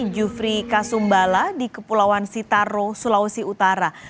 jufri kasumbala di kepulauan sitaro sulawesi utara